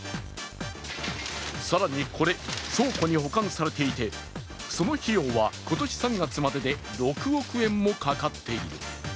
更にこれ、倉庫に保管されていて、その費用は今年３月までで６億円もかかっている。